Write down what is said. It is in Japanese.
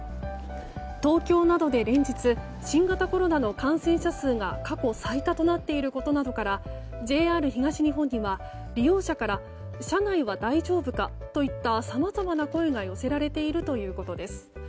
東京などで連日新型コロナの感染者数が過去最多となっていることなどからＪＲ東日本には利用者から車内は大丈夫かといったさまざまな声が寄せられているということです。